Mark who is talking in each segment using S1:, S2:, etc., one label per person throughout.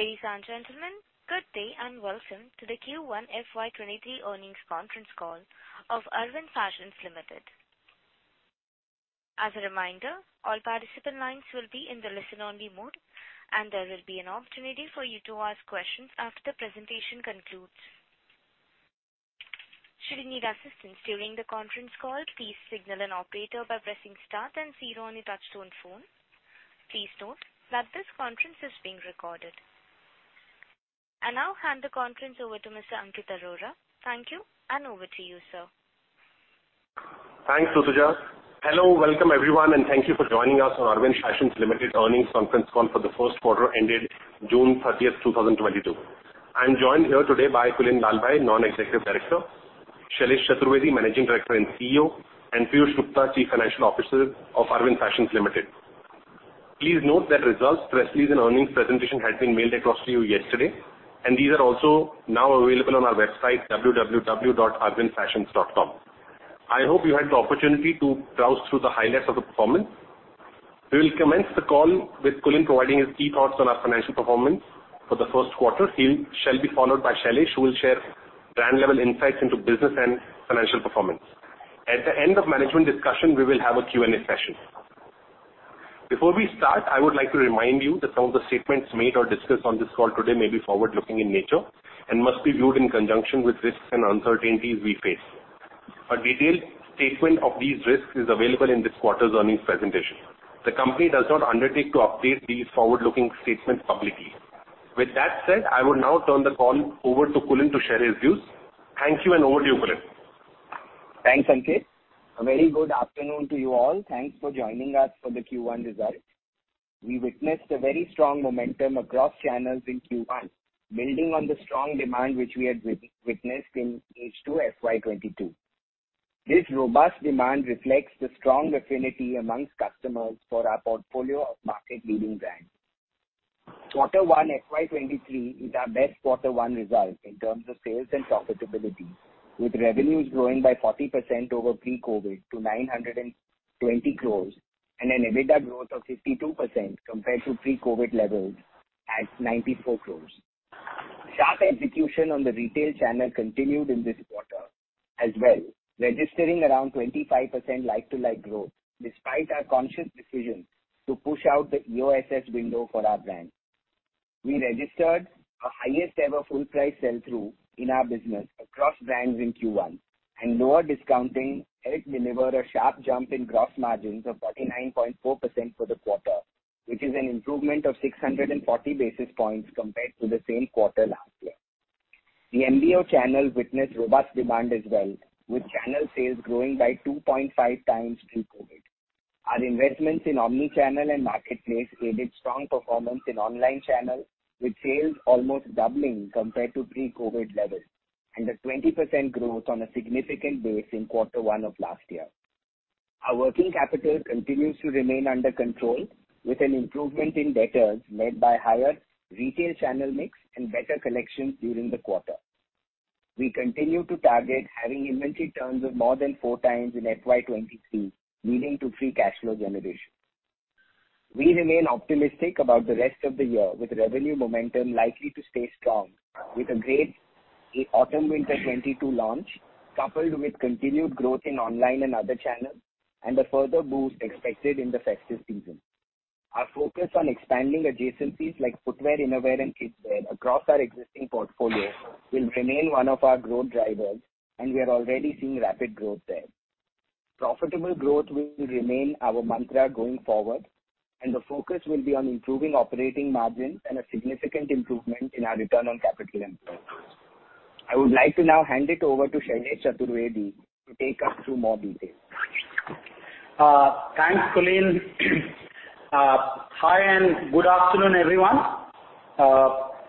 S1: Ladies and gentlemen, good day and welcome to the Q1 FY 2023 earnings conference call of Arvind Fashions Limited. As a reminder, all participant lines will be in the listen-only mode, and there will be an opportunity for you to ask questions after the presentation concludes. Should you need assistance during the conference call, please signal an operator by pressing star then zero on your touchtone phone. Please note that this conference is being recorded. I now hand the conference over to Mr. Ankit Arora. Thank you, and over to you, sir.
S2: Thanks, Sujata. Hello. Welcome, everyone, and thank you for joining us on Arvind Fashions Limited earnings conference call for the first quarter ended June 30, 2022. I'm joined here today by Kulin Lalbhai, Non-Executive Director, Shailesh Chaturvedi, Managing Director and CEO, and Piyush Gupta, Chief Financial Officer of Arvind Fashions Limited. Please note that results, press release, and earnings presentation had been mailed across to you yesterday, and these are also now available on our website, www.arvindfashions.com. I hope you had the opportunity to browse through the highlights of the performance. We will commence the call with Kulin providing his key thoughts on our financial performance for the first quarter. He shall be followed by Shailesh, who will share brand-level insights into business and financial performance. At the end of management discussion, we will have a Q&A session. Before we start, I would like to remind you that some of the statements made or discussed on this call today may be forward-looking in nature and must be viewed in conjunction with risks and uncertainties we face. A detailed statement of these risks is available in this quarter's earnings presentation. The company does not undertake to update these forward-looking statements publicly. With that said, I will now turn the call over to Kulin to share his views. Thank you, and over to you, Kulin.
S3: Thanks, Ankit. A very good afternoon to you all. Thanks for joining us for the Q1 result. We witnessed a very strong momentum across channels in Q1, building on the strong demand which we had witnessed in H2 FY 2022. This robust demand reflects the strong affinity amongst customers for our portfolio of market-leading brands. Q1 FY 2023 is our best Q1 result in terms of sales and profitability, with revenues growing by 40% over pre-COVID to 920 crores and an EBITDA growth of 52% compared to pre-COVID levels at 94 crores. Sharp execution on the retail channel continued in this quarter as well, registering around 25% like-for-like growth despite our conscious decision to push out the OSS window for our brand. We registered a highest ever full price sell-through in our business across brands in Q1, and lower discounting helped deliver a sharp jump in gross margins of 39.4% for the quarter, which is an improvement of 640 basis points compared to the same quarter last year. The MBO channel witnessed robust demand as well, with channel sales growing by 2.5x pre-COVID. Our investments in omni-channel and marketplace aided strong performance in online channel, with sales almost doubling compared to pre-COVID levels and a 20% growth on a significant base in quarter one of last year. Our working capital continues to remain under control, with an improvement in debtors led by higher retail channel mix and better collections during the quarter. We continue to target having inventory turns of more than 4x in FY 2023, leading to free cash flow generation. We remain optimistic about the rest of the year, with revenue momentum likely to stay strong, with a great autumn/winter 2022 launch, coupled with continued growth in online and other channels and a further boost expected in the festive season. Our focus on expanding adjacent pieces like footwear, innerwear, and kidswear across our existing portfolio will remain one of our growth drivers, and we are already seeing rapid growth there. Profitable growth will remain our mantra going forward, and the focus will be on improving operating margins and a significant improvement in our return on capital employed. I would like to now hand it over to Shailesh Chaturvedi to take us through more details.
S4: Thanks, Kulin. Hi and good afternoon, everyone.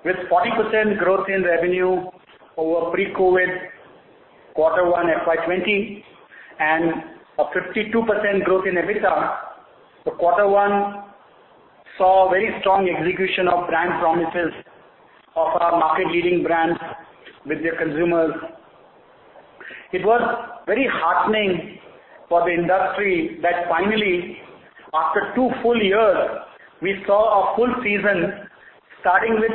S4: With 40% growth in revenue over pre-COVID quarter one FY 2020 and a 52% growth in EBITDA, the quarter one saw very strong execution of brand promises of our market-leading brands with their consumers. It was very heartening for the industry that finally, after two full years, we saw a full season, starting with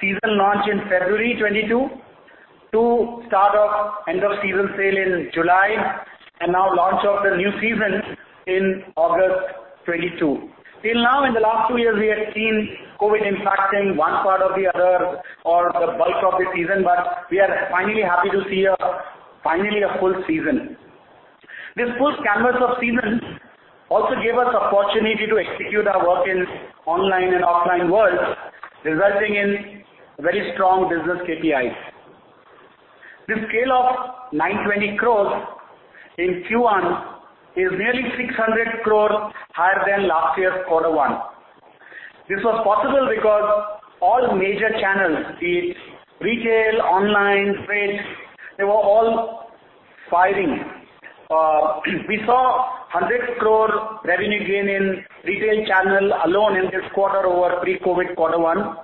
S4: season launch in February 2022 to start of end of season sale in July and now launch of the new season in August 2022. Till now, in the last two years, we had seen COVID impacting one part or the other or the bulk of the season, but we are finally happy to see finally a full season. This full canvas of season also gave us opportunity to execute our work in online and offline world, resulting in very strong business KPIs. The scale of 920 crores in Q1 is nearly 600 crores higher than last year's quarter one. This was possible because all major channels, be it retail, online, trade, they were all firing. We saw 100 crore revenue gain in retail channel alone in this quarter over pre-COVID quarter one.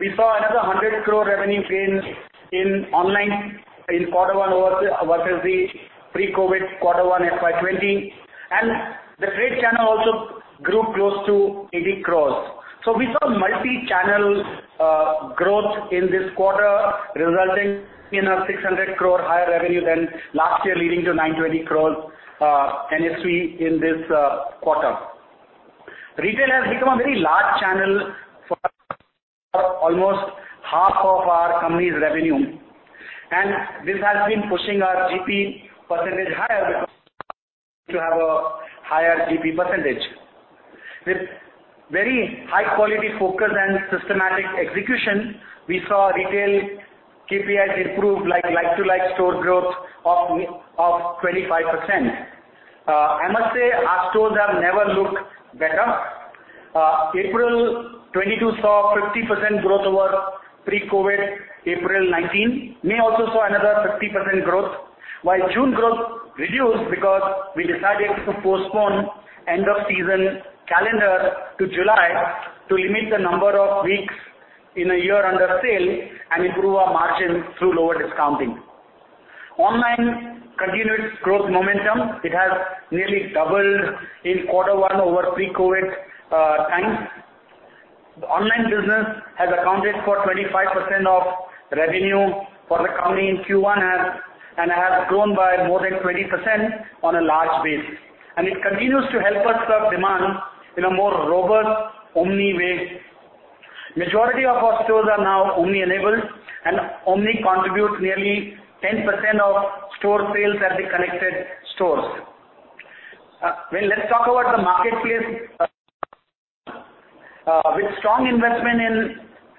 S4: We saw 100 crore revenue gained in online in quarter one versus the pre-COVID quarter one FY 2020 and the trade channel also grew close to 80 crores. We saw multi-channel growth in this quarter resulting in 600 crore higher revenue than last year leading to 920 crores NSV in this quarter. Retail has become a very large channel for almost half of our company's revenue and this has been pushing our GP percentage higher because to have a higher GP percentage. With very high quality focus and systematic execution, we saw retail KPIs improve like-for-like store growth of 25%. I must say our stores have never looked better. April 2022 saw 50% growth over pre-COVID April 2019. May also saw another 50% growth while June growth reduced because we decided to postpone end-of-season sale to July to limit the number of weeks in a year under sale and improve our margins through lower discounting. Online continues growth momentum. It has nearly doubled in quarter one over pre-COVID times. Online business has accounted for 25% of revenue for the company in Q1 and has grown by more than 20% on a large base. It continues to help us serve demand in a more robust omnichannel way. Majority of our stores are now omni enabled and omni contributes nearly 10% of store sales at the connected stores. Well, let's talk about the marketplace. With strong investment in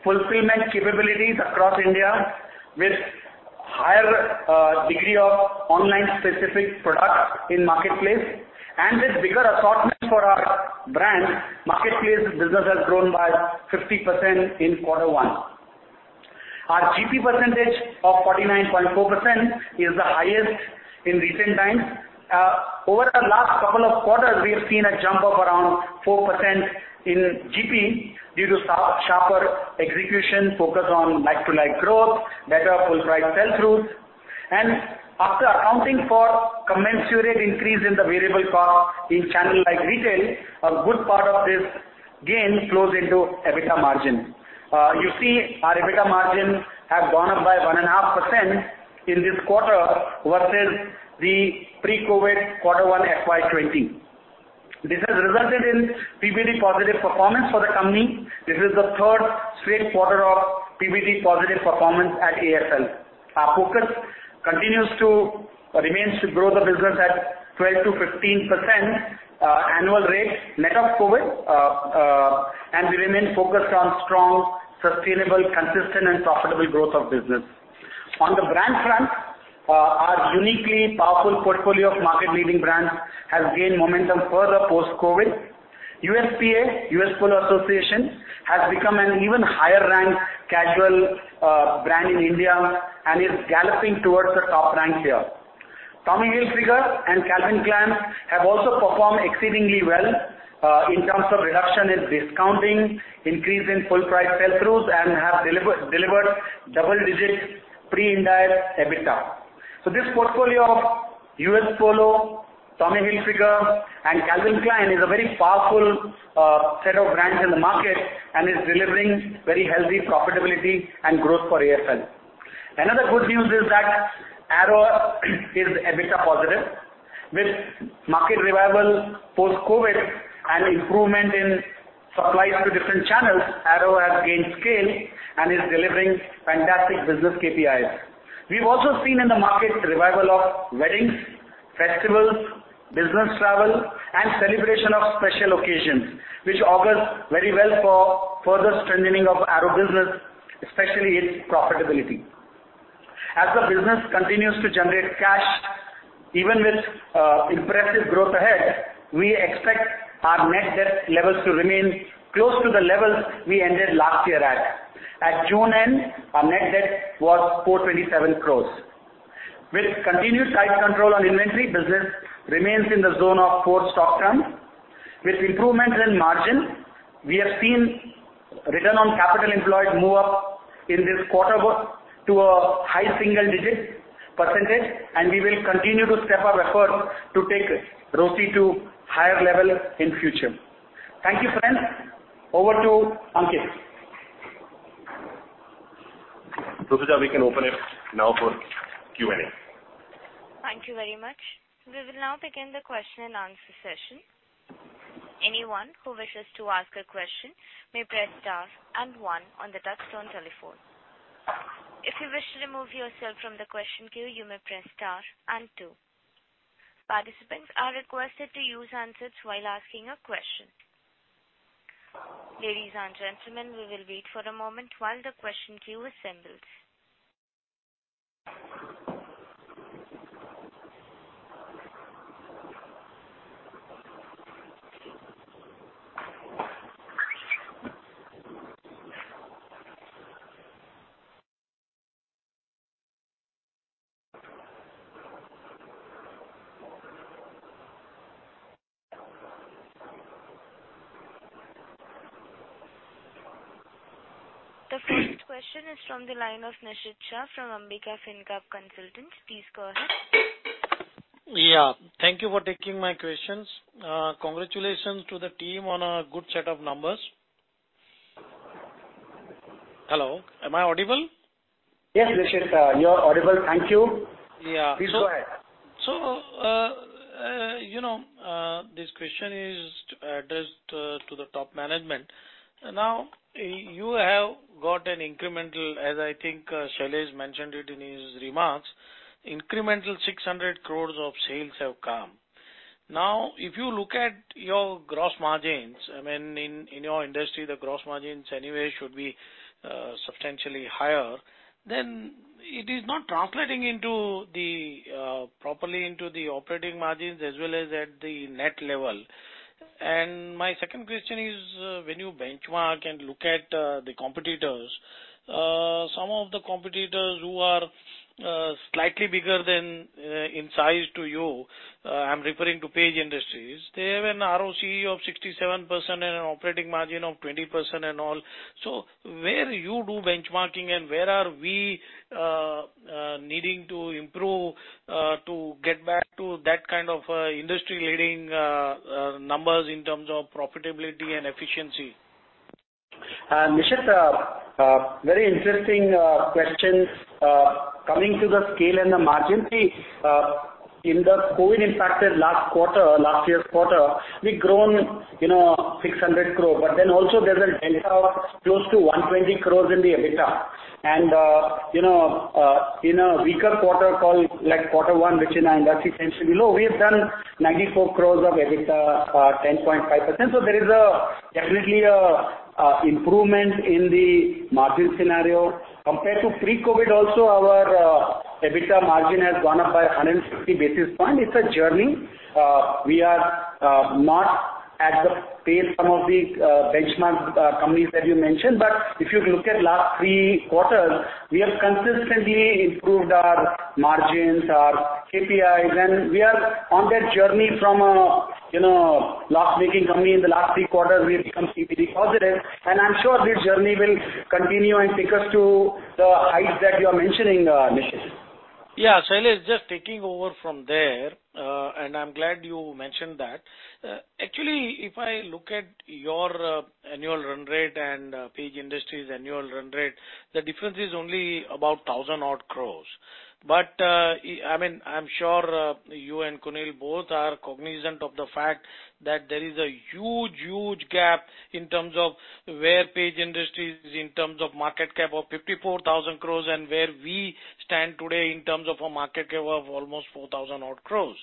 S4: fulfillment capabilities across India with higher degree of online specific products in marketplace and with bigger assortment for our brand, marketplace business has grown by 50% in quarter one. Our GP percentage of 49.4% is the highest in recent times. Over the last couple of quarters we have seen a jump of around 4% in GP due to sharper execution focus on like-for-like growth, better full price sell through and after accounting for commensurate increase in the variable cost in channel like retail, a good part of this gain flows into EBITDA margin. You see our EBITDA margin have gone up by 1.5% in this quarter versus the pre-COVID quarter one FY 2020. This has resulted in PBT positive performance for the company. This is the third straight quarter of PBT positive performance at AFL. Our focus remains to grow the business at 12%-15% annual rate net of COVID, and we remain focused on strong, sustainable, consistent and profitable growth of business. On the brand front, our uniquely powerful portfolio of market leading brands has gained momentum further post-COVID. USPA, U.S. Polo Assn., has become an even higher ranked casual, brand in India and is galloping towards the top rank here. Tommy Hilfiger and Calvin Klein have also performed exceedingly well in terms of reduction in discounting, increase in full price sell-throughs and have delivered double-digit pre-Ind AS EBITDA. This portfolio of U.S. Polo Assn., Tommy Hilfiger and Calvin Klein is a very powerful set of brands in the market and is delivering very healthy profitability and growth for AFL. Another good news is that Arrow is EBITDA positive. With market revival post-COVID and improvement in supplies to different channels, Arrow has gained scale and is delivering fantastic business KPIs. We've also seen in the market revival of weddings, festivals, business travel and celebration of special occasions which augurs very well for further strengthening of Arrow business especially its profitability. As the business continues to generate cash even with impressive growth ahead, we expect our net debt levels to remain close to the levels we ended last year at. At June end, our net debt was 427 crore. With continued tight control on inventory, business remains in the zone of four stock turn. With improvements in margin, we have seen return on capital employed move up in this quarter to a high single-digit percentage and we will continue to step up effort to take ROCE to higher level in future. Thank you, friends. Over to Ankit.
S2: Sujata, we can open it now for Q&A.
S1: Thank you very much. We will now begin the question and answer session. Anyone who wishes to ask a question may press star and one on the touchtone telephone. If you wish to remove yourself from the question queue you may press star and two. Participants are requested to use handsets while asking a question. Ladies and gentlemen, we will wait for a moment while the question queue assembles. The first question is from the line of Nishit Shah from Ambika Fincap Consultants. Please go ahead.
S5: Yeah. Thank you for taking my questions. Congratulations to the team on a good set of numbers. Hello, am I audible?
S4: Yes, Nishit, you are audible. Thank you.
S5: Yeah.
S4: Please go ahead.
S5: You know, this question is addressed to the top management. Now, you have got an incremental, as I think, Shailesh mentioned it in his remarks, incremental 600 crore of sales have come. Now, if you look at your gross margins, I mean, in your industry, the gross margins anyway should be substantially higher than it is not translating into the properly into the operating margins as well as at the net level. My second question is, when you benchmark and look at the competitors, some of the competitors who are slightly bigger than in size to you, I'm referring to Page Industries. They have an ROCE of 67% and an operating margin of 20% and all. Where do you do benchmarking and where are we needing to improve to get back to that kind of industry-leading numbers in terms of profitability and efficiency?
S4: Nishit, very interesting question coming to the scale and the margin. We in the COVID impacted last quarter, last year's quarter, we've grown, you know, 600 crore, but then also there's a delta of close to 120 crore in the EBITDA. In a weaker quarter call, like quarter one, which in our industry tends to be low, we have done 94 crore of EBITDA, 10.5%. There is definitely improvement in the margin scenario. Compared to pre-COVID also, our EBITDA margin has gone up by 150 basis points. It's a journey. We are not at the pace some of the benchmark companies that you mentioned, but if you look at last three quarters, we have consistently improved our margins, our KPIs, and we are on that journey from a, you know, loss-making company. In the last three quarters, we've become EBITDA positive, and I'm sure this journey will continue and take us to the heights that you're mentioning, Nishit.
S5: Yeah. Shailesh, just taking over from there, and I'm glad you mentioned that. Actually, if I look at your annual run rate and Page Industries' annual run rate, the difference is only about 1,000-odd crores. I mean, I'm sure you and Kulin both are cognizant of the fact that there is a huge, huge gap in terms of where Page Industries is in terms of market cap of 54,000 crores and where we stand today in terms of a market cap of almost 4,000-odd crores.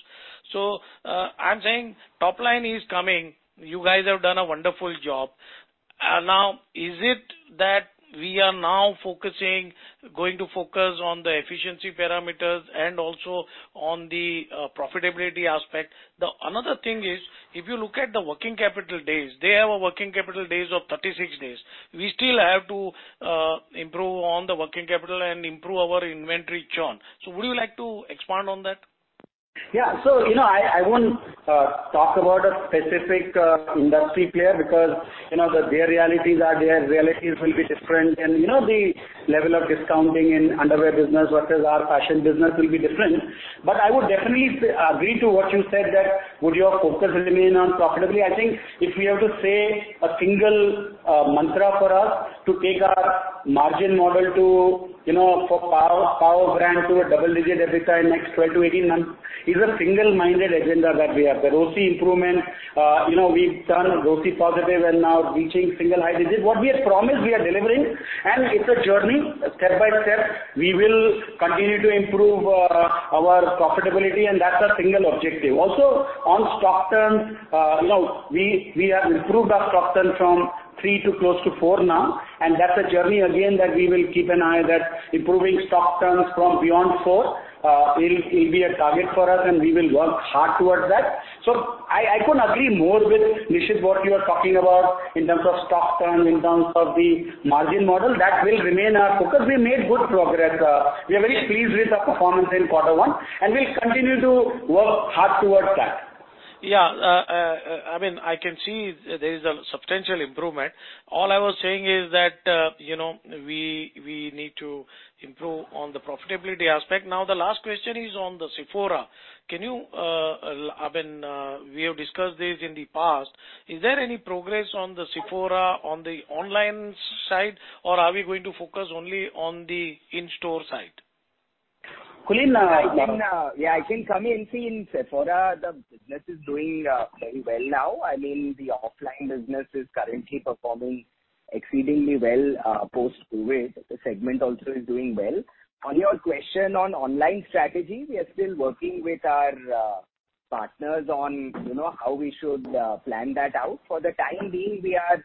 S5: I'm saying top line is coming. You guys have done a wonderful job. Now is it that we are now going to focus on the efficiency parameters and also on the profitability aspect? The other thing is, if you look at the working capital days, they have a working capital days of 36 days. We still have to improve on the working capital and improve our inventory churn. Would you like to expand on that?
S4: You know, I won't talk about a specific industry player because their realities will be different. You know, the level of discounting in underwear business versus our fashion business will be different. I would definitely agree to what you said that our focus remains on profitability. I think if we have to say a single mantra for us to take our margin model to, you know, for Power Brand to a double-digit EBITDA in next 12 to 18 months is a single-minded agenda that we have. The ROCE improvement, you know, we've turned ROCE positive and now reaching high single digits. What we have promised, we are delivering, and it's a journey step by step. We will continue to improve our profitability, and that's our single objective. Also, on stock turns, you know, we have improved our stock turn from three to close to four now, and that's a journey again, that we will keep an eye that improving stock turns from beyond four will be a target for us, and we will work hard towards that. I couldn't agree more with Nishit. What you are talking about in terms of stock turn, in terms of the margin model, that will remain our focus. We made good progress. We are very pleased with our performance in quarter one, and we'll continue to work hard towards that.
S5: Yeah. I mean, I can see there is a substantial improvement. All I was saying is that, you know, we need to improve on the profitability aspect. Now, the last question is on the Sephora. We have discussed this in the past. Is there any progress on the Sephora on the online side, or are we going to focus only on the in-store side?
S4: Kulin, you want to
S3: Yeah, I think, I mean, see in Sephora, the business is doing very well now. I mean, the offline business is currently performing exceedingly well post-COVID. The segment also is doing well. On your question on online strategy, we are still working with our partners on, you know, how we should plan that out. For the time being, we are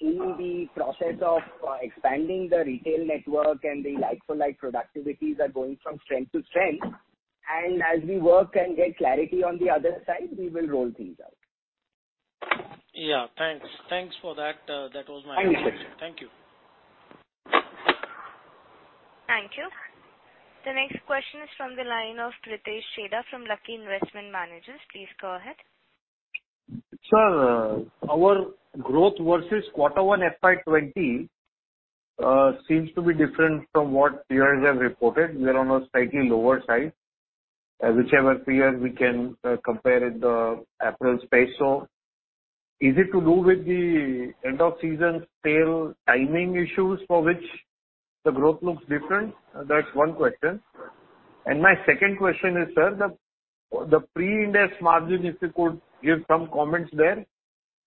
S3: in the process of expanding the retail network and the like-for-like productivities are going from strength to strength. As we work and get clarity on the other side, we will roll things out.
S5: Yeah. Thanks. Thanks for that. That was my question.
S4: Thank you, sir.
S5: Thank you.
S1: The next question is from the line of Pritesh Chheda from Lucky Investment Managers. Please go ahead.
S6: Sir, our growth versus quarter one FY 2020 seems to be different from what peers have reported. We are on a slightly lower side. Whichever peers we can compare in the apparel space. Is it to do with the end of season sale timing issues for which the growth looks different? That's one question. My second question is, sir, the pre-Ind AS margin, if you could give some comments there.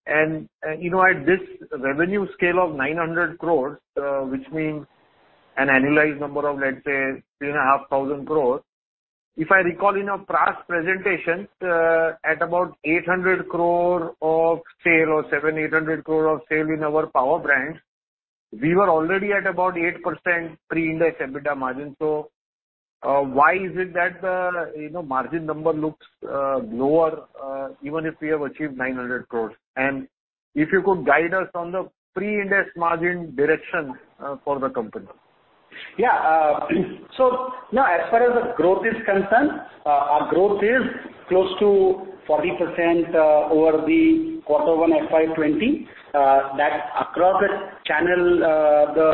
S6: You know, at this revenue scale of 900 crore, which means an annualized number of, let's say, 3,500 crore. If I recall in our past presentations, at about 800 crore of sale or 700-800 crore of sale in our Power Brands, we were already at about 8% pre-Ind AS EBITDA margin. Why is it that the, you know, margin number looks lower even if we have achieved 900 crore? If you could guide us on the pre-Ind AS margin direction for the company.
S4: Now, as far as the growth is concerned, our growth is close to 40% over the quarter one at 520. That across the channel, the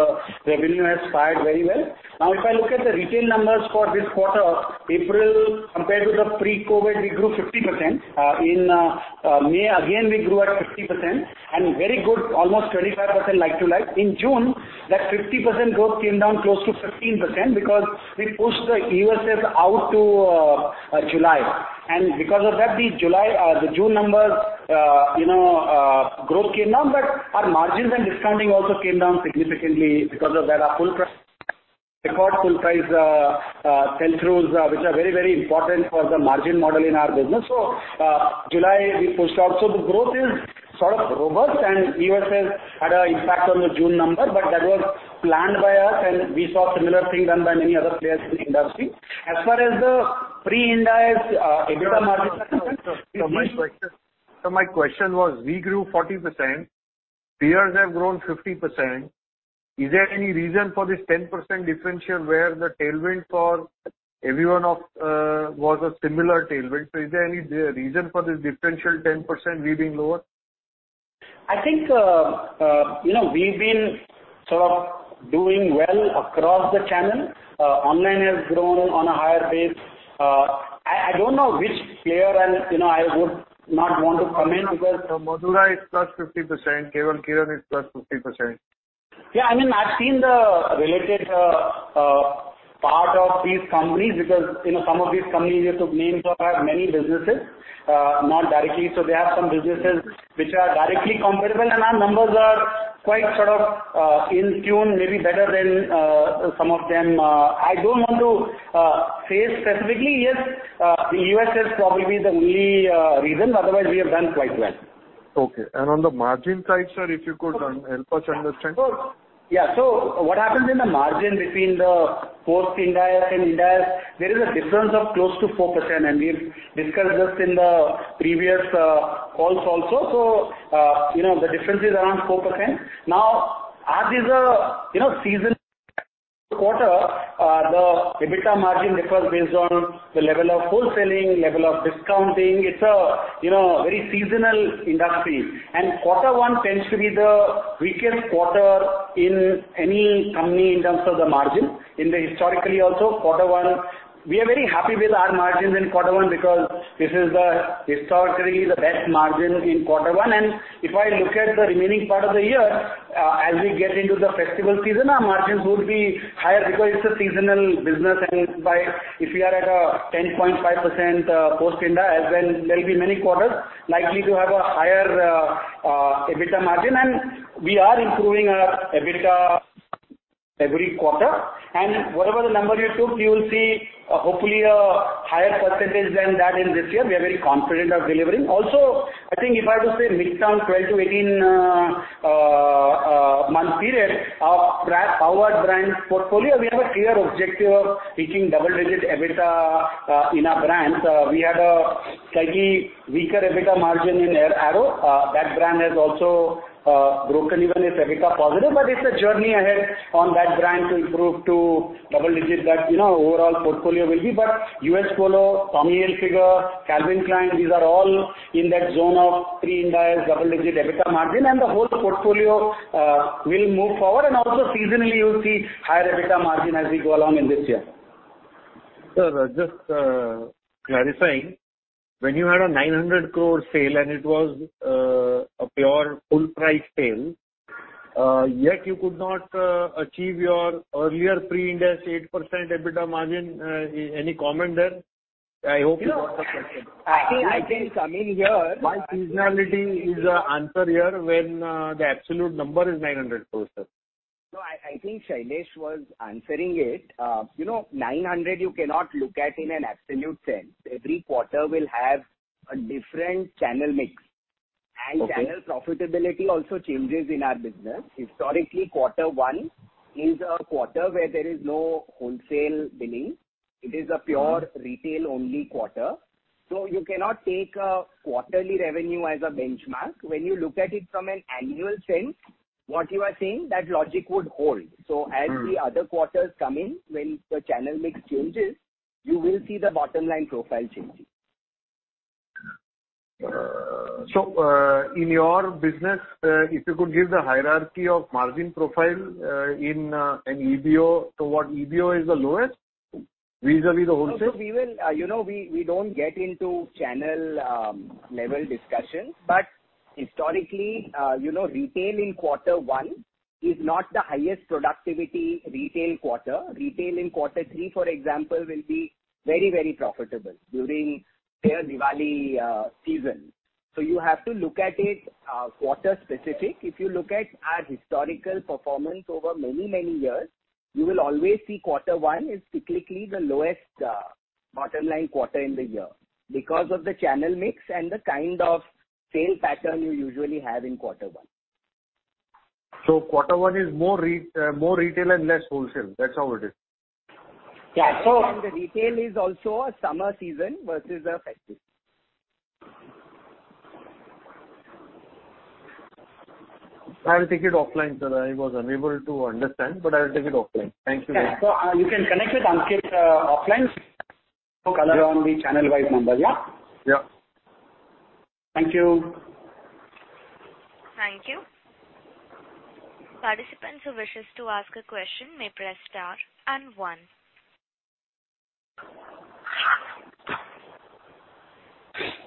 S4: revenue has fared very well. Now, if I look at the retail numbers for this quarter, April compared to the pre-COVID, we grew 50%. In May again, we grew at 50% and very good, almost 25% like to like. In June, that 50% growth came down close to 15% because we pushed the EOSS out to July. Because of that, the July or the June numbers, you know, growth came down, but our margins and discounting also came down significantly because of that our full price sell-throughs, which are very, very important for the margin model in our business. July we pushed out. The growth is sort of robust, and EOSS had an impact on the June number, but that was planned by us and we saw similar thing done by many other players in the industry. As far as the pre-Ind AS, EBITDA margin is-
S6: Sir, my question was we grew 40%. Peers have grown 50%. Is there any reason for this 10% differential where the tailwind for everyone was a similar tailwind? Is there any reason for this differential 10% we being lower?
S4: I think, you know, we've been sort of doing well across the channel. Online has grown on a higher base. I don't know which player and, you know, I would not want to comment because.
S6: Madura is +50%, Kiran is +50%.
S4: Yeah, I mean, I've seen the related part of these companies because, you know, some of these companies you took names of have many businesses, not directly. They have some businesses which are directly comparable, and our numbers are quite sort of in tune, maybe better than some of them. I don't want to say specifically, yes, the EOSS is probably the only reason. Otherwise, we have done quite well.
S6: Okay. On the margin side, sir, if you could help us understand?
S4: Yeah. What happens in the margin between the post-Ind AS and Ind AS, there is a difference of close to 4%, and we've discussed this in the previous calls also. You know, the difference is around 4%. Now, Q1 is a seasonal quarter, the EBITDA margin differs based on the level of wholesaling, level of discounting. It's a very seasonal industry. Quarter one tends to be the weakest quarter in any company in terms of the margin. Historically also, quarter one, we are very happy with our margins in quarter one because this is historically the best margin in quarter one. If I look at the remaining part of the year, as we get into the festival season, our margins would be higher because it's a seasonal business. If we are at 10.5% post-Ind AS, well, there'll be many quarters likely to have a higher EBITDA margin. We are improving our EBITDA every quarter. Whatever the number you took, you will see hopefully a higher percentage than that in this year. We are very confident of delivering. Also, I think if I was to say mid-term, 12-18 month period of our brand portfolio, we have a clear objective of reaching double-digit EBITDA in our brands. We had a slightly weaker EBITDA margin in Arrow. That brand has also broken even is EBITDA positive, but it's a journey ahead on that brand to improve to double-digit that, you know, overall portfolio will be. U.S. Polo Assn., Tommy Hilfiger, Calvin Klein, these are all in that zone of pre-Ind AS double-digit EBITDA margin, and the whole portfolio will move forward. Also seasonally, you'll see higher EBITDA margin as we go along in this year.
S6: Sir, just clarifying. When you had 900 crore sale and it was a pure full price sale, yet you could not achieve your earlier pre-Ind AS 8% EBITDA margin. Any comment there? I hope you got the question.
S4: I think Amit here.
S6: Why is seasonality an answer here when the absolute number is 900 crore, sir?
S3: No, I think Shailesh was answering it. You know, 900 you cannot look at in an absolute sense. Every quarter will have a different channel mix.
S6: Okay.
S3: Channel profitability also changes in our business. Historically, quarter one is a quarter where there is no wholesale billing. It is a pure retail only quarter. You cannot take a quarterly revenue as a benchmark. When you look at it from an annual sense, what you are saying that logic would hold. As the other quarters come in, when the channel mix changes, you will see the bottom line profile changing.
S6: In your business, if you could give the hierarchy of margin profile in an EBO to what EBO is the lowest vis-a-vis the wholesale?
S3: You know, we don't get into channel level discussions. Historically, you know, retail in quarter one is not the highest productivity retail quarter. Retail in quarter three, for example, will be very, very profitable during their Diwali season. You have to look at it quarter specific. If you look at our historical performance over many, many years, you will always see quarter one is cyclically the lowest bottom line quarter in the year because of the channel mix and the kind of sales pattern you usually have in quarter one.
S6: Quarter one is more retail and less wholesale. That's how it is.
S4: Yeah.
S3: The retail is also a summer season versus a festive.
S6: I'll take it offline, sir. I was unable to understand, but I'll take it offline. Thank you very much.
S4: Yeah. You can connect with Ankit offline to color on the channel-wide numbers, yeah?
S7: Yeah.
S4: Thank you.
S1: Thank you. Participants who wishes to ask a question may press star and one.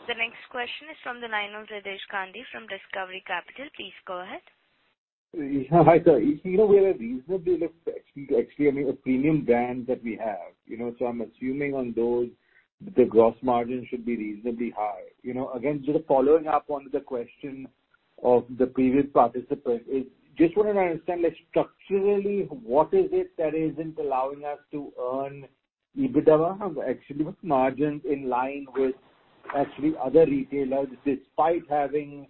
S1: The next question is from the line of Rakesh Gandhi from Discovery Capital. Please go ahead.
S7: Hi, sir. You know, we are reasonably looked at actually, I mean, the premium brands that we have, you know. I'm assuming on those the gross margin should be reasonably high. You know, again, just following up on the question of the previous participant. I just wanna understand, like structurally what is it that isn't allowing us to earn EBITDA or actually with margins in line with actually other retailers despite having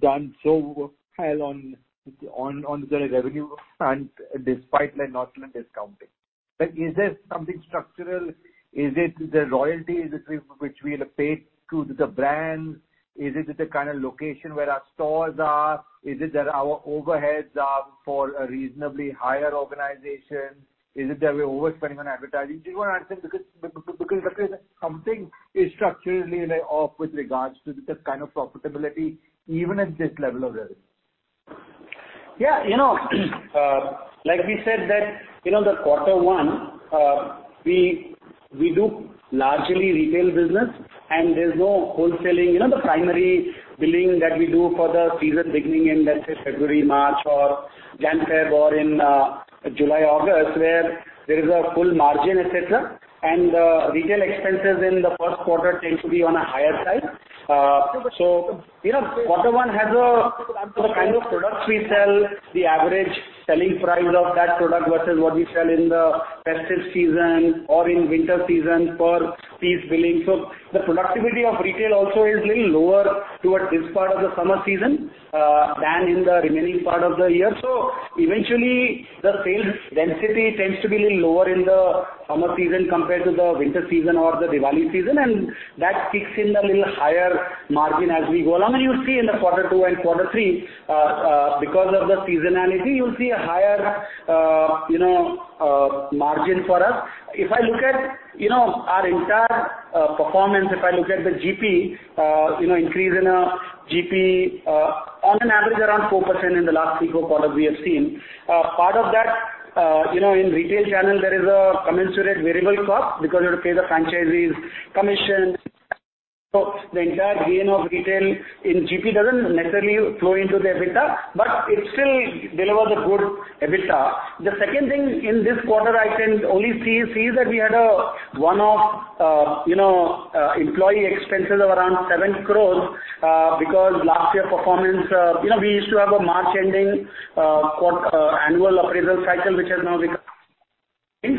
S7: done so well on the revenue and despite like not doing discounting. Like, is there something structural? Is it the royalties which we'll pay to the brands? Is it the kind of location where our stores are? Is it that our overheads are for a reasonably higher organization? Is it that we're overspending on advertising? Just wanna understand because something is structurally, like, off with regards to the kind of profitability even at this level of revenue.
S4: Yeah. You know, like we said, that, you know, the quarter one, we do largely retail business and there's no wholesaling. You know, the primary billing that we do for the season beginning in, let's say February, March or January, February or in, July, August, where there is a full margin, et cetera. Retail expenses in the first quarter tends to be on a higher side. You know, quarter one has the kind of products we sell, the average selling price of that product versus what we sell in the festive season or in winter season per piece billing. The productivity of retail also is little lower towards this part of the summer season than in the remaining part of the year. Eventually, the sales density tends to be little lower in the summer season compared to the winter season or the Diwali season, and that kicks in a little higher margin as we go along. You'll see in quarter two and quarter three, because of the seasonality, you'll see a higher, you know, margin for us. If I look at, you know, our entire performance, if I look at the GP, you know, increase in GP on an average around 4% in the last three, four quarters we have seen. Part of that, you know, in retail channel there is a commensurate variable cost because you have to pay the franchisees' commission. The entire gain of retail in GP doesn't necessarily flow into the EBITDA, but it still delivers a good EBITDA. The second thing in this quarter, I can only see that we had a one-off, you know, employee expenses of around 7 crores because last year performance. You know, we used to have a March ending annual appraisal cycle, which has now become,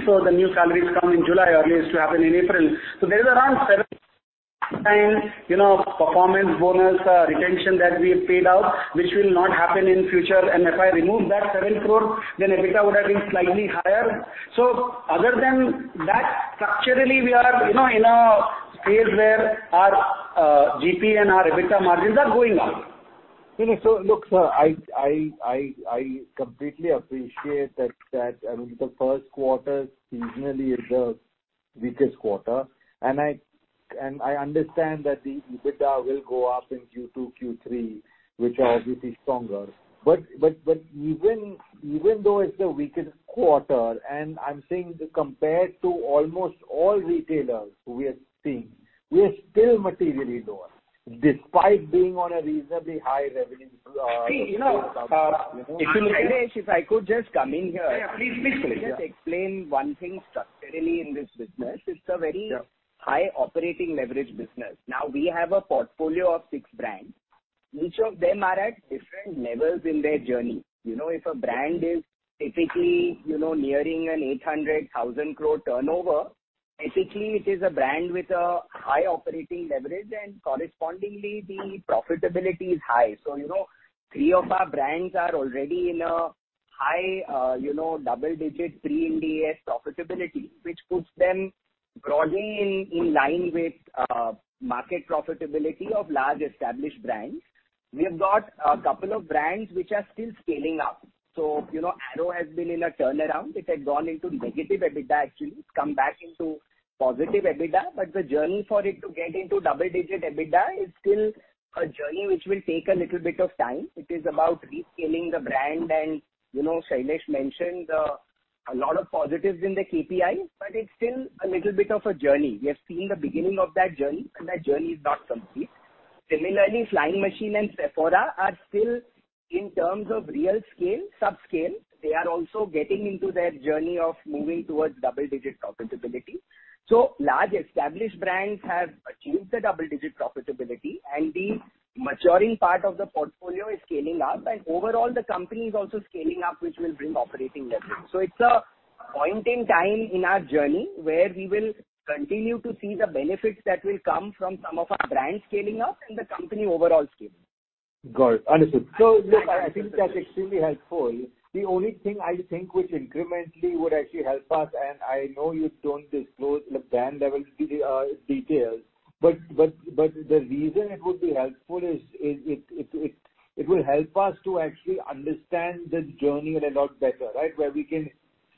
S4: so the new salaries come in July, earlier it used to happen in April. There is around 7, you know, performance bonus retention that we paid out, which will not happen in future. If I remove that 7 crores, then EBITDA would have been slightly higher. Other than that, structurally, we are, you know, in a phase where our GP and our EBITDA margins are going up.
S7: You know, look, sir, I completely appreciate that, I mean, the first quarter seasonally is the weakest quarter. I understand that the EBITDA will go up in Q2, Q3, which are obviously stronger. Even though it's the weakest quarter, and I'm saying compared to almost all retailers we are seeing, we are still materially lower despite being on a reasonably high revenue.
S4: See, you know, if you
S3: Rakesh, if I could just come in here.
S7: Yeah. Please, please.
S3: Just explain one thing structurally in this business. It's a very
S7: Yeah.
S3: High operating leverage business. Now, we have a portfolio of six brands. Each of them are at different levels in their journey. You know, if a brand is typically, you know, nearing an 800,000 crore turnover, basically it is a brand with a high operating leverage, and correspondingly the profitability is high. You know, three of our brands are already in a High, you know, double-digit pre-Ind AS profitability, which puts them broadly in line with, market profitability of large established brands. We have got a couple of brands which are still scaling up. You know, Arrow has been in a turnaround. It had gone into negative EBITDA, actually. It's come back into positive EBITDA, but the journey for it to get into double-digit EBITDA is still a journey which will take a little bit of time. It is about reskilling the brand. You know, Shailesh mentioned, a lot of positives in the KPI, but it's still a little bit of a journey. We have seen the beginning of that journey, and that journey is not complete. Similarly, Flying Machine and Sephora are still, in terms of real scale, subscale. They are also getting into their journey of moving towards double-digit profitability. Large established brands have achieved the double-digit profitability, and the maturing part of the portfolio is scaling up. Overall, the company is also scaling up, which will bring operating leverage. It's a point in time in our journey where we will continue to see the benefits that will come from some of our brands scaling up and the company overall scaling.
S7: Got it. Understood. Look, I think that's extremely helpful. The only thing I think which incrementally would actually help us, and I know you don't disclose the brand level details, but the reason it would be helpful is it will help us to actually understand this journey a lot better, right? Where we can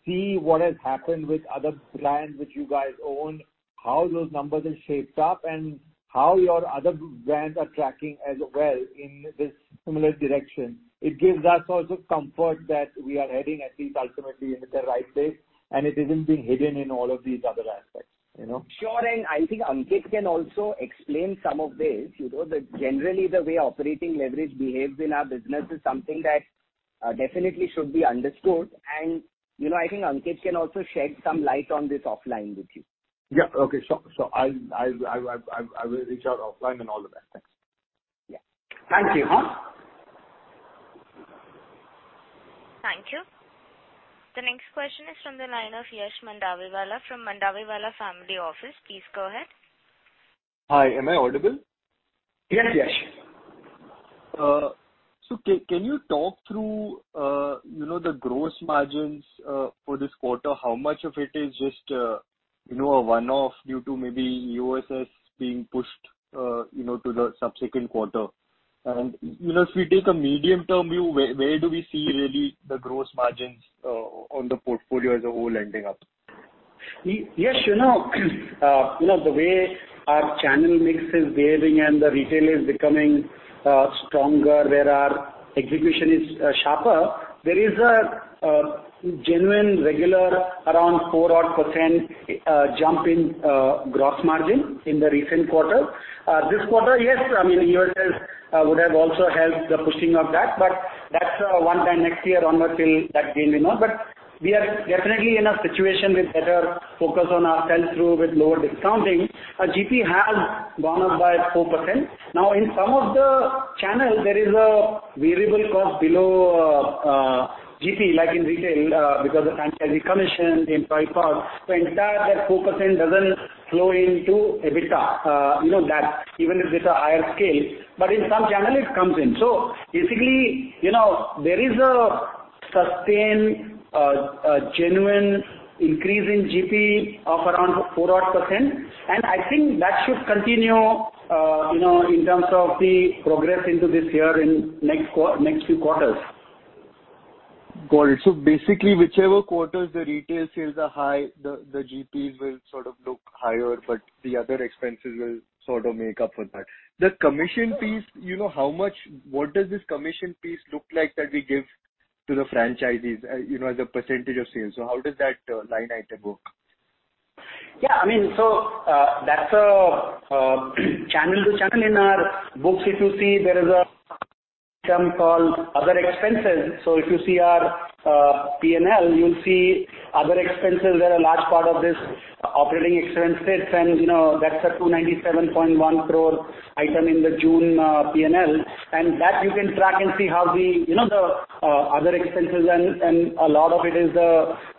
S7: see what has happened with other brands which you guys own, how those numbers have shaped up, and how your other brands are tracking as well in this similar direction. It gives us also comfort that we are heading at least ultimately in the right place, and it isn't being hidden in all of these other aspects, you know?
S3: Sure. I think Ankit can also explain some of this. You know, generally, the way operating leverage behaves in our business is something that definitely should be understood. You know, I think Ankit can also shed some light on this offline with you.
S7: Yeah. Okay. Sure. I will reach out offline and all of that. Thanks.
S3: Yeah. Thank you.
S1: Thank you. The next question is from the line of Yash Mandawewala from Mandawewala Family Office. Please go ahead.
S8: Hi, am I audible?
S4: Yes, Yash.
S8: So can you talk through, you know, the gross margins for this quarter? How much of it is just, you know, a one-off due to maybe EOSS being pushed, you know, to the subsequent quarter? You know, if we take a medium-term view, where do we see really the gross margins on the portfolio as a whole ending up?
S4: Yash, you know, the way our channel mix is behaving and the retail is becoming stronger, where our execution is sharper. There is a genuine, regular around 4% odd jump in gross margin in the recent quarter. This quarter, yes, I mean, EOSS would have also helped the pushing of that, but that's a one-time next year onwards till we wean it off. We are definitely in a situation with better focus on our sell-through with lower discounting. Our GP has gone up by 4%. Now, in some of the channels there is a variable cost below GP, like in retail, because of franchisee commission, employee cost, so the entire 4% doesn't flow into EBITDA, you know, that even if it's a higher scale, but in some channel it comes in. Basically, you know, there is a sustained, genuine increase in GP of around 4% odd, and I think that should continue, you know, in terms of the progress into this year and next few quarters.
S8: Got it. Basically, whichever quarters the retail sales are high, the GPs will sort of look higher, but the other expenses will sort of make up for that. The commission fees, you know, what does this commission fees look like that we give to the franchisees, you know, as a percentage of sales? How does that line item go?
S4: I mean, that's a channel to channel in our books. If you see, there is a term called other expenses. If you see our P&L, you'll see other expenses are a large part of this operating expenses. You know, that's a 297.1 crore item in the June P&L. That you can track and see. You know, the other expenses and a lot of it is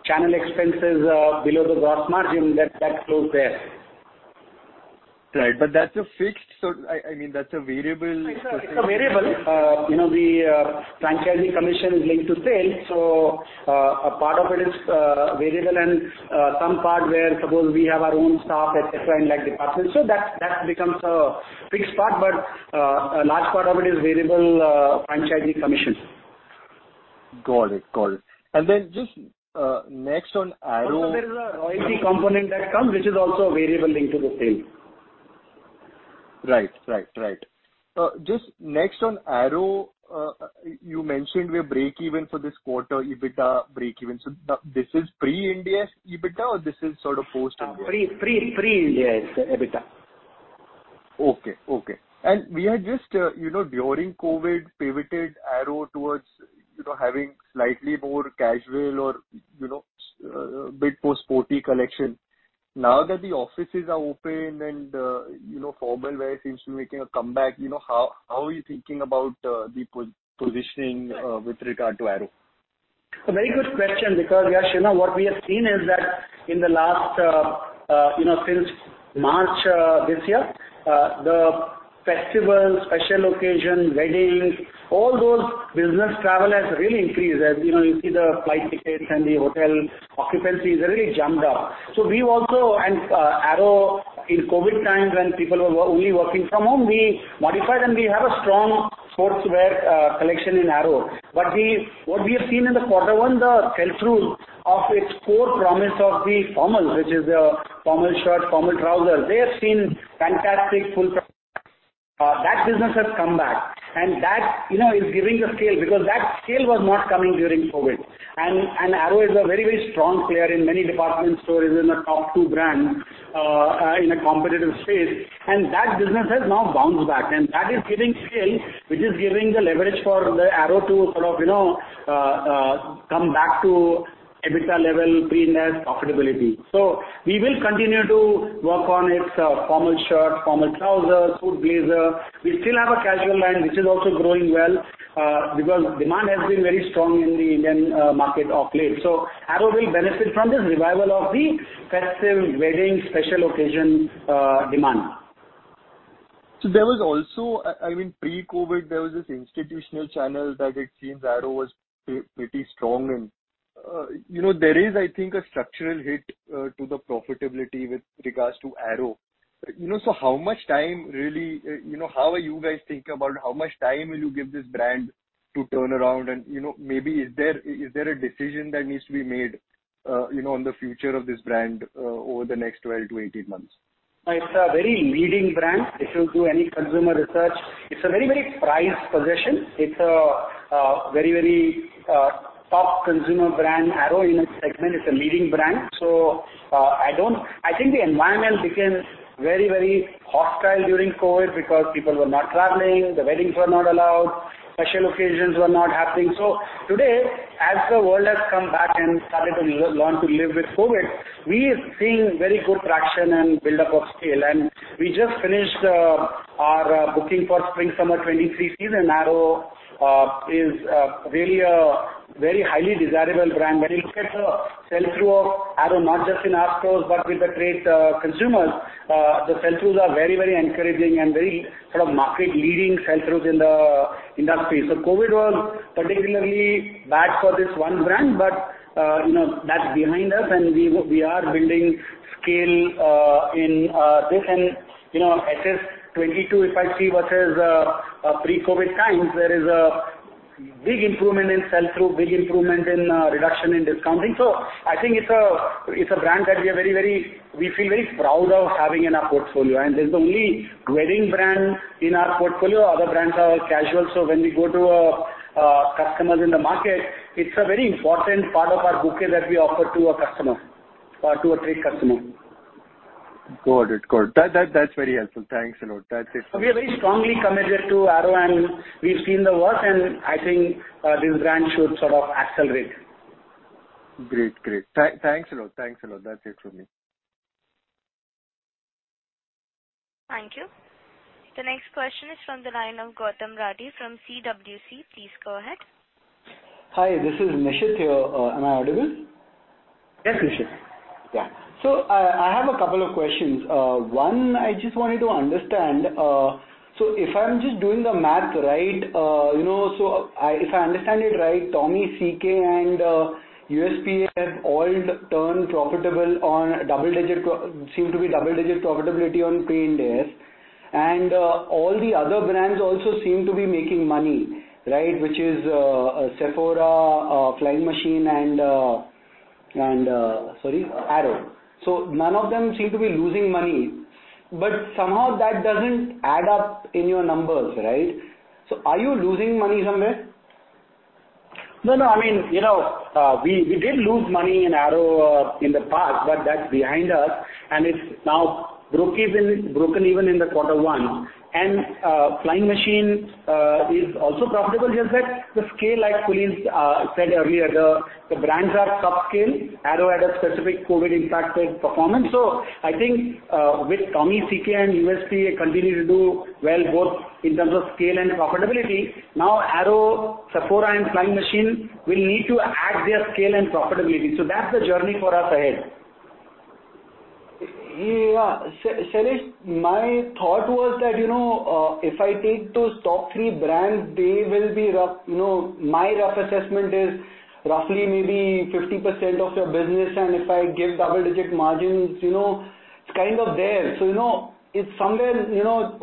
S4: channel expenses below the gross margin that flows there.
S8: Right. I mean, that's a variable.
S4: It's a variable. You know, the franchisee commission is linked to sales, so a part of it is variable and some part where suppose we have our own staff, et cetera, in like departments. That becomes a fixed part. A large part of it is variable, franchisee commission.
S8: Got it. Just next on Arrow.
S4: Also there is a royalty component that comes which is also a variable linked to the sale.
S8: Right. Just next on Arrow, you mentioned we're breakeven for this quarter, EBITDA breakeven. This is pre-Ind AS EBITDA or this is sort of post-Ind AS?
S4: pre-Ind AS EBITDA.
S8: Okay. We are just, you know, during COVID pivoted Arrow towards, you know, having slightly more casual or, you know, bit more sporty collection. Now that the offices are open and, you know, formal wear seems to be making a comeback, you know, how are you thinking about the positioning with regard to Arrow?
S4: A very good question because, Yash, you know, what we have seen is that in the last, you know, since March, this year, the festivals, special occasion, weddings, all those business travel has really increased. As you know, you see the flight tickets and the hotel occupancy has really jumped up. We've also Arrow in COVID times when people were only working from home, we modified and we have a strong sportswear collection in Arrow. What we have seen in the quarter one, the sell-through of its core promise of the formal, which is the formal shirt, formal trousers, they have seen fantastic pull. That business has come back, and that, you know, is giving the scale because that scale was not coming during COVID. Arrow is a very strong player in many department stores, is in the top two brands in a competitive space, and that business has now bounced back. That is giving scale, which is giving the leverage for the Arrow to sort of, you know, come back to EBITDA level, pre-net profitability. We will continue to work on its formal shirt, formal trousers, suit blazer. We still have a casual line, which is also growing well, because demand has been very strong in the Indian market of late. Arrow will benefit from this revival of the festive wedding special occasion demand.
S8: There was also I mean, pre-COVID, there was this institutional channel that it seems Arrow was pretty strong in. You know, there is, I think, a structural hit to the profitability with regards to Arrow. You know, how much time really, you know, how are you guys thinking about how much time will you give this brand to turn around? You know, maybe is there a decision that needs to be made, you know, on the future of this brand over the next 12-18 months?
S4: It's a very leading brand. If you do any consumer research, it's a very, very prized possession. It's a very, very top consumer brand. Arrow in its segment is a leading brand. I think the environment became very, very hostile during COVID because people were not traveling, the weddings were not allowed, special occasions were not happening. Today, as the world has come back and started to learn to live with COVID, we are seeing very good traction and buildup of scale. We just finished our booking for spring/summer 2023 season. Arrow is really a very highly desirable brand. When you look at the sell-through of Arrow, not just in our stores, but with the trade, consumers, the sell-throughs are very, very encouraging and very sort of market leading sell-throughs in the industry. COVID was particularly bad for this one brand, but you know, that's behind us and we are building scale in this. You know, at just 2022, if I see versus pre-COVID times, there is a big improvement in sell-through, big improvement in reduction in discounting. I think it's a brand that we are very proud of having in our portfolio. This is the only wedding brand in our portfolio. Other brands are casual. When we go to customers in the market, it's a very important part of our bouquet that we offer to a customer or to a trade customer.
S8: Got it. That's very helpful. Thanks a lot. That's it from me.
S4: We are very strongly committed to Arrow, and we've seen the work, and I think, this brand should sort of accelerate.
S8: Great. Thanks a lot. That's it from me.
S1: Thank you. The next question is from the line of Nishit Rathi from CWC. Please go ahead.
S9: Hi, this is Nishit here. Am I audible? Yes, Nishit. Yeah. I have a couple of questions. One, I just wanted to understand, if I'm just doing the math right, you know, if I understand it right, Tommy, CK and USP have all turned profitable on double-digit seem to be double-digit profitability on paid days. All the other brands also seem to be making money, right? Which is Sephora, Flying Machine and sorry, Arrow. None of them seem to be losing money, but somehow that doesn't add up in your numbers, right? Are you losing money somewhere? No, no.
S4: I mean, you know, we did lose money in Arrow in the past, but that's behind us and it's now broken even in quarter one. Flying Machine is also profitable. Just that the scale, like Pulit said earlier, the brands are top scale. Arrow had a specific COVID impacted performance. I think with Tommy, CK and USP continue to do well both in terms of scale and profitability. Now, Arrow, Sephora and Flying Machine will need to add their scale and profitability. That's the journey for us ahead.
S9: Yeah. Shailesh, my thought was that, you know, if I take those top three brands, they will be rough. You know, my rough assessment is roughly maybe 50% of your business, and if I give double-digit margins, you know, it's kind of there. You know, it's somewhere, you know,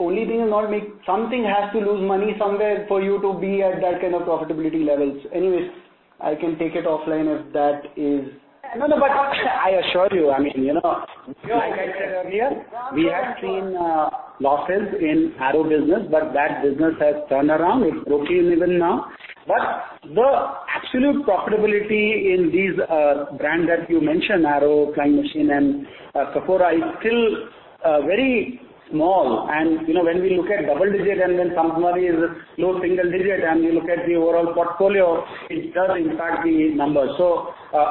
S9: something has to lose money somewhere for you to be at that kind of profitability levels. Anyways, I can take it offline if that is.
S4: No, no, but I assure you, I mean, you know, like I said earlier, we have seen losses in Arrow business, but that business has turned around. It's broken even now. The absolute profitability in these brand that you mentioned, Arrow, Flying Machine and Sephora, is still very small. You know, when we look at double digit and when some of them is low single digit and you look at the overall portfolio, it does impact the numbers.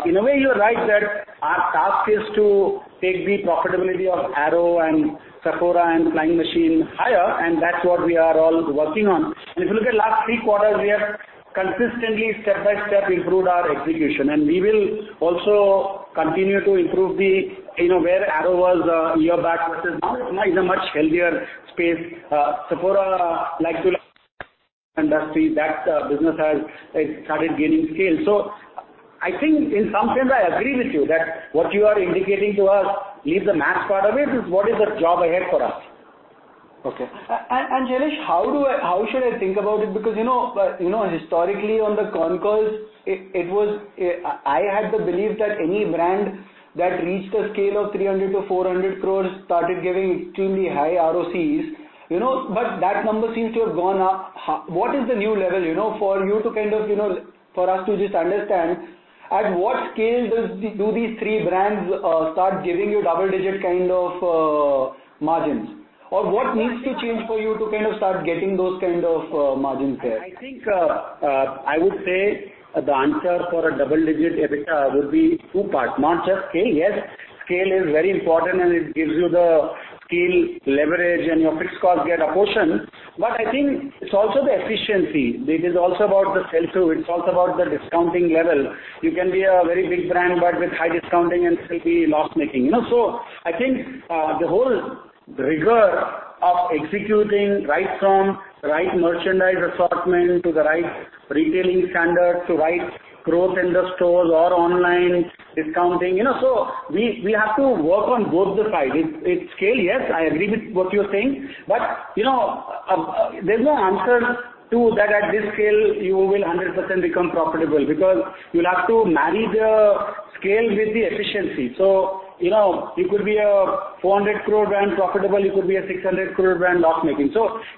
S4: In a way, you're right that our task is to take the profitability of Arrow and Sephora and Flying Machine higher, and that's what we are all working on. If you look at last three quarters, we have consistently step by step improved our execution, and we will also continue to improve the, you know, where Arrow was a year back versus now it's a much healthier space. Sephora, like industry, that business has, like, started gaining scale. I think in some sense, I agree with you that what you are indicating to us is the math part of it, is what is the job ahead for us.
S9: Okay. Shailesh, how should I think about it? Because, you know, you know, historically in the consensus, it was, I had the belief that any brand that reached a scale of 300-400 crores started giving extremely high ROCEs. You know, but that number seems to have gone up. What is the new level, you know, for you to kind of, you know, for us to just understand at what scale does the, do these three brands, start giving you double-digit kind of margins? Or what needs to change for you to kind of start getting those kind of margins there?
S4: I think, I would say the answer for a double-digit EBITDA would be two parts, not just scale. Yes, scale is very important, and it gives you the scale leverage and your fixed costs get apportioned. But I think it's also the efficiency. It is also about the sell-through. It's also about the discounting level. You can be a very big brand, but with high discounting and still be loss-making, you know? I think the whole rigor of executing right from right merchandise assortment to the right retailing standard, to right growth in the stores or online discounting, you know. We have to work on both the side. It's scale, yes, I agree with what you're saying, but, you know, there's no answer to that at this scale, you will 100% become profitable because you'll have to marry the scale with the efficiency. You know, you could be a 400 crore brand profitable, you could be a 600 crore brand loss-making.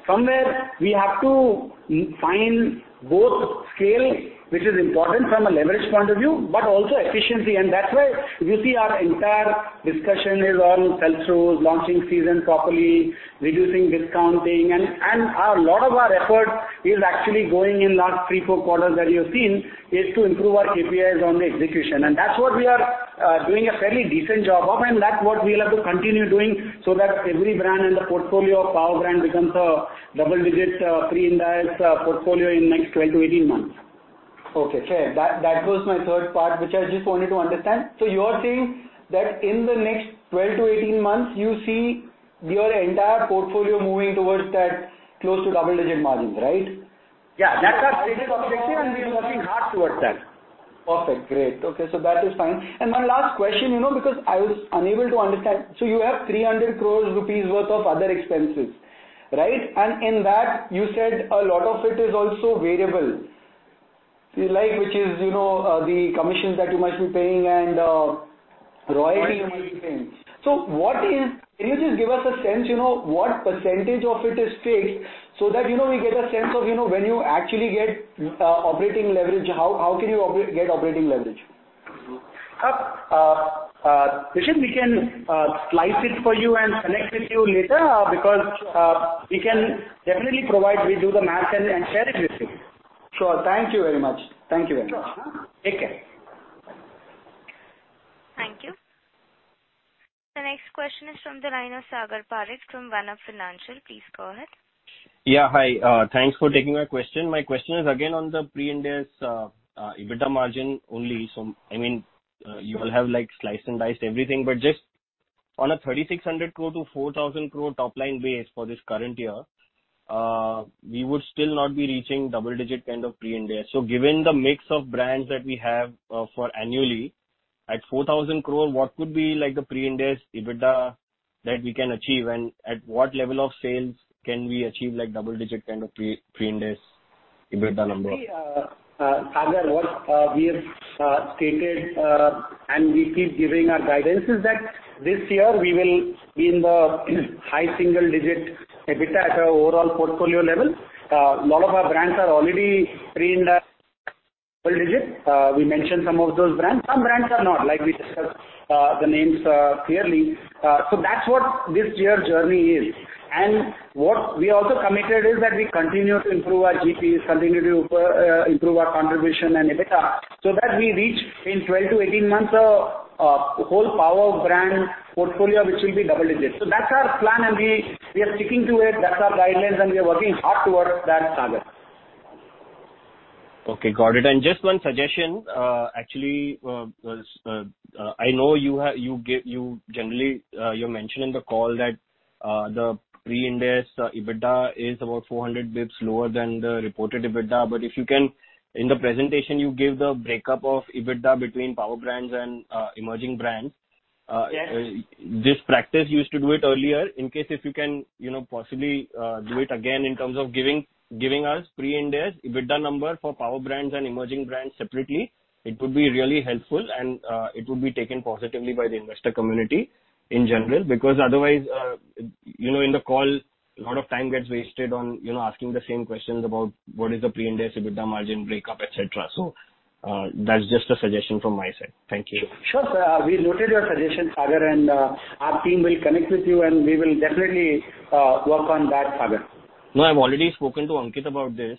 S4: From there, we have to find both scale, which is important from a leverage point of view, but also efficiency. That's why if you see our entire discussion is on sell-throughs, launching season properly, reducing discounting, and a lot of our effort is actually going in last three, four quarters that you've seen is to improve our KPIs on the execution. That's what we are doing a fairly decent job of, and that's what we'll have to continue doing so that every brand in the portfolio of Power Brand becomes a double-digit pre-Ind AS portfolio in next 12-18 months.
S9: Okay, fair. That was my third part, which I just wanted to understand. You are saying that in the next 12-18 months, you see your entire portfolio moving towards that close to double-digit margins, right?
S4: Yeah. That's our stated objective, and we are working hard towards that. Perfect. Great. Okay, that is fine.
S9: My last question, you know, because I was unable to understand. You have 300 crore rupees worth of other expenses, right? In that, you said a lot of it is also variable. Like, which is, you know, the commissions that you must be paying and royalty you might be paying. Can you just give us a sense, you know, what percentage of it is fixed so that, you know, we get a sense of, you know, when you actually get operating leverage, how can you get operating leverage?
S4: Nishit Rathi, we can slice it for you and connect with you later, because we can definitely provide. We'll do the math and share it with you.
S9: Sure. Thank you very much. Thank you very much.
S4: Sure. Take care.
S1: Thank you. The next question is from the line of Sagar Parekh from One Up Financial. Please go ahead.
S10: Yeah, hi. Thanks for taking my question. My question is again on the pre-Ind AS EBITDA margin only. I mean, you'll have like sliced and diced everything, but just on a 3,600 crore-4,000 crore top line base for this current year, we would still not be reaching double-digit kind of pre-Ind AS. Given the mix of brands that we have, for annually, at 4,000 crore, what could be like the pre-Ind AS EBITDA that we can achieve? And at what level of sales can we achieve like double-digit kind of pre-Ind AS EBITDA number?
S4: See, Sagar, what we have stated, and we keep giving our guidance is that this year we will be in the high single digit EBITDA at an overall portfolio level. A lot of our brands are already pre-Ind AS double digit. We mentioned some of those brands. Some brands are not, like we discussed, the names clearly. That's what this year's journey is. What we also committed is that we continue to improve our GPs, continue to improve our contribution and EBITDA, so that we reach in 12-18 months whole Power Brand portfolio, which will be double digit. That's our plan, and we are sticking to it. That's our guidelines, and we are working hard towards that, Sagar.
S10: Okay, got it. Just one suggestion. Actually, I know you generally mentioned in the call that the pre-Ind AS EBITDA is about 400 basis points lower than the reported EBITDA. If you can, in the presentation, give the breakup of EBITDA between Power Brands and emerging brands.
S4: Yes.
S10: This practice, you used to do it earlier. In case if you can, you know, possibly, do it again in terms of giving us pre-Ind AS EBITDA number for Power Brands and emerging brands separately, it would be really helpful and, it would be taken positively by the investor community in general. Because otherwise, you know, in the call, a lot of time gets wasted on, you know, asking the same questions about what is the pre-Ind AS EBITDA margin breakup, et cetera. That's just a suggestion from my side. Thank you.
S4: Sure. We noted your suggestion, Sagar, and our team will connect with you, and we will definitely work on that, Sagar.
S10: No, I've already spoken to Ankit about this.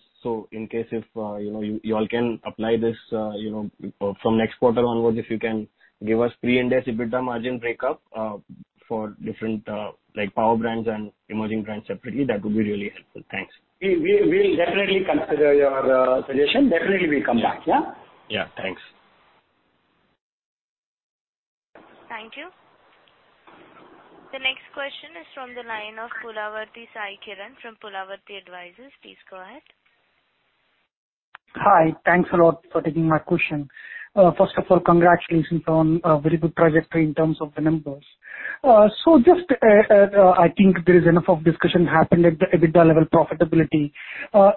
S10: In case if, you know, you all can apply this, you know, from next quarter onwards, if you can give us pre- and post-EBITDA margin breakup, for different, like Power Brands and emerging brands separately, that would be really helpful. Thanks.
S4: We'll definitely consider your suggestion. Definitely we'll come back. Yeah?
S10: Yeah. Thanks.
S1: Thank you. The next question is from the line of Pulavarthi Saikiran from Pulavarthi Advisors. Please go ahead.
S11: Hi. Thanks a lot for taking my question. First of all, congratulations on a very good trajectory in terms of the numbers. Just, I think there is enough of discussion happened at the EBITDA level profitability.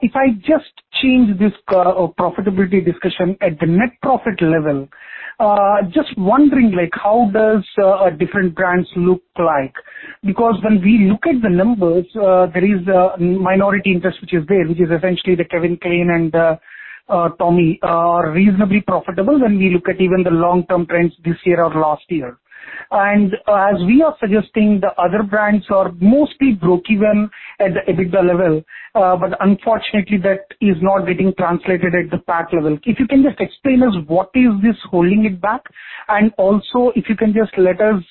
S11: If I just change this profitability discussion at the net profit level, just wondering, like, how does different brands look like? Because when we look at the numbers, there is a minority interest which is there, which is essentially the Calvin Klein and Tommy Hilfiger are reasonably profitable when we look at even the long-term trends this year or last year. As we are suggesting, the other brands are mostly breakeven at the EBITDA level, but unfortunately, that is not getting translated at the PAT level. If you can just explain us what is this holding it back, and also if you can just let us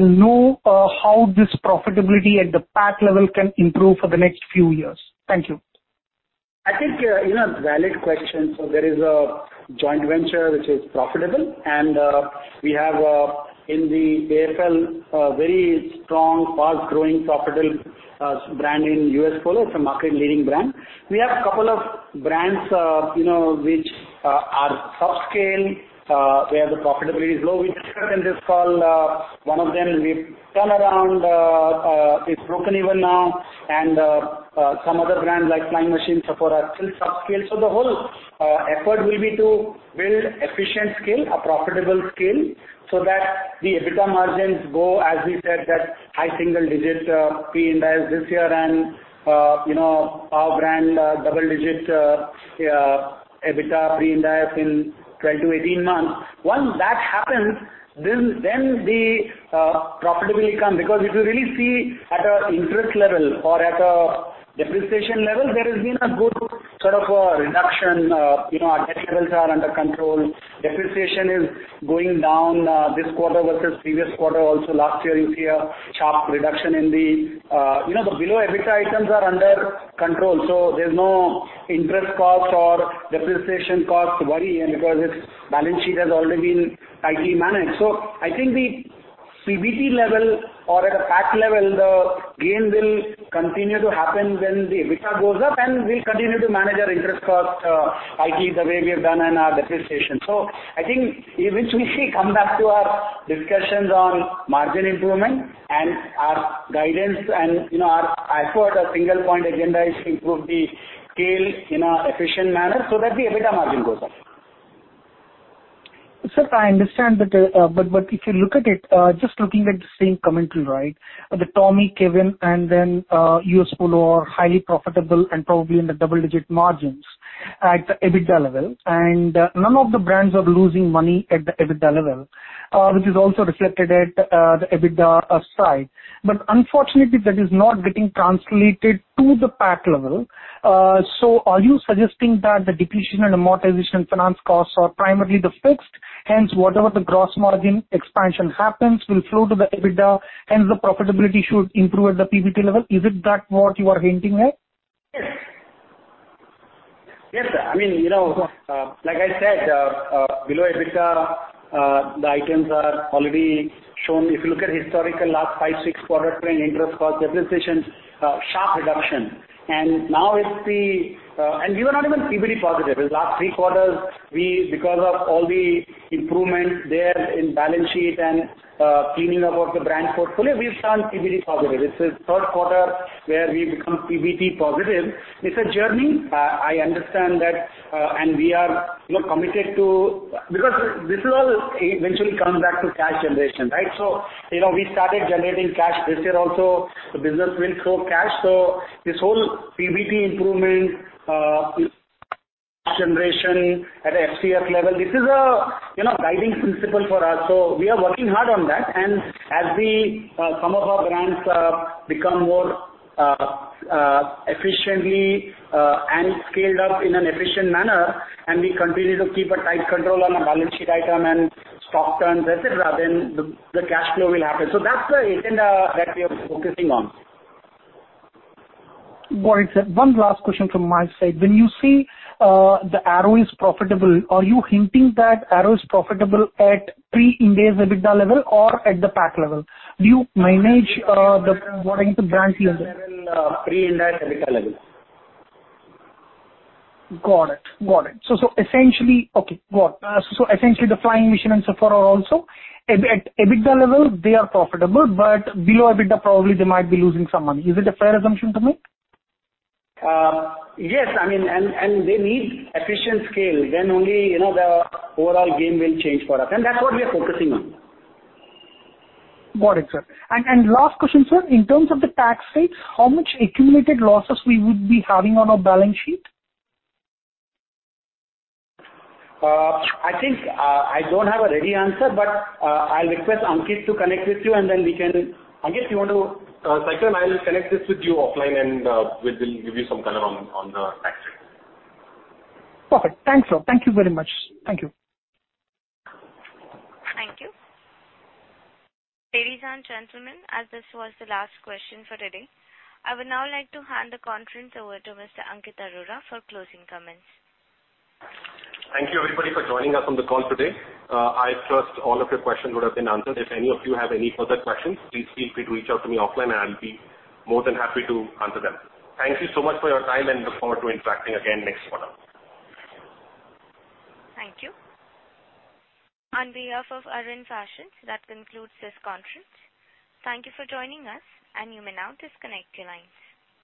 S11: know how this profitability at the PAT level can improve for the next few years. Thank you.
S4: I think, you know, valid question. There is a joint venture which is profitable and we have in the AFL a very strong, fast-growing, profitable brand in U.S. Polo. It's a market-leading brand. We have a couple of brands, you know, which are subscale where the profitability is low. We discussed in this call one of them we've turned around it's broken even now and some other brands like Flying Machine, Sephora are still subscale. The whole effort will be to build efficient scale, a profitable scale, so that the EBITDA margins go, as we said, that high single-digit% pre-Ind AS this year and you know, our brand double-digit EBITDA pre-Ind AS in 12-18 months. Once that happens, the profitability comes because if you really see at an interest level or at a depreciation level, there has been a good sort of a reduction. You know, our debt levels are under control. Depreciation is going down this quarter versus previous quarter. Also last year you see a sharp reduction in the below EBITDA items are under control, so there's no interest cost or depreciation cost to worry and because it's balance sheet has already been tightly managed. I think the PBT level or at a PAT level, the gain will continue to happen when the EBITDA goes up, and we'll continue to manage our interest cost tightly the way we have done and our depreciation. I think in which we see come back to our discussions on margin improvement and our guidance and, you know, our effort, our single point agenda is to improve the scale in an efficient manner so that the EBITDA margin goes up.
S11: Sir, I understand, but if you look at it, just looking at the same commentary, right? The Tommy, Calvin and then U.S. Polo are highly profitable and probably in the double-digit margins at the EBITDA level. None of the brands are losing money at the EBITDA level, which is also reflected at the EBITDA side. Unfortunately, that is not getting translated to the PAT level. Are you suggesting that the depreciation and amortization finance costs are primarily fixed, hence whatever the gross margin expansion happens will flow to the EBITDA, hence the profitability should improve at the PBT level? Is that what you are hinting at?
S4: Yes. Yes, sir. I mean, you know, like I said, below EBITDA, the items are already shown. If you look at historical last five, six quarter trend, interest cost, depreciation, sharp reduction. Now it's the. We were not even PBT positive. In last three quarters, we, because of all the improvement there in balance sheet and, cleaning up of the brand portfolio, we've turned PBT positive. This is third quarter where we've become PBT positive. It's a journey. I understand that, and we are, you know, committed to. Because this is all eventually comes back to cash generation, right? You know, we started generating cash this year also. The business will flow cash. This whole PBT improvement, cash generation at FCF level, this is a, you know, guiding principle for us. We are working hard on that. As some of our brands become more efficiently and scaled up in an efficient manner, and we continue to keep a tight control on our balance sheet item and stock turns, et cetera, then the cash flow will happen. That's the agenda that we are focusing on.
S11: Got it, sir. One last question from my side. When you say the Arrow is profitable, are you hinting that Arrow is profitable at pre-Ind AS EBITDA level or at the PAT level? Do you manage what do you say, brand level?
S4: Pre-Ind AS EBITDA level.
S11: Got it. Essentially the Flying Machine and Sephora also at EBITDA level they are profitable, but below EBITDA probably they might be losing some money. Is it a fair assumption to make?
S4: Yes. I mean, they need efficient scale then only, you know, the overall game will change for us, and that's what we are focusing on.
S11: Got it, sir. Last question, sir. In terms of the tax rate, how much accumulated losses we would be having on our balance sheet?
S4: I think I don't have a ready answer, but I'll request Ankit to connect with you, and then we can. Ankit, you want to-
S2: Saikiran, I will connect this with you offline and we will give you some color on the tax rate.
S11: Perfect. Thanks, sir. Thank you very much. Thank you.
S1: Thank you. Ladies and gentlemen, as this was the last question for today, I would now like to hand the conference over to Mr. Ankit Arora for closing comments.
S2: Thank you, everybody, for joining us on the call today. I trust all of your questions would have been answered. If any of you have any further questions, please feel free to reach out to me offline, and I'll be more than happy to answer them. Thank you so much for your time, and look forward to interacting again next quarter.
S1: Thank you. On behalf of Arvind Fashions, that concludes this conference. Thank you for joining us, and you may now disconnect your lines.